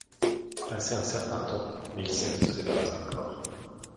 Passé un certain temps, Nilsen se débarrasse du corps.